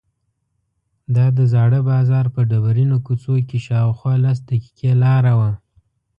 دا د زاړه ښار په ډبرینو کوڅو کې شاوخوا لس دقیقې لاره وه.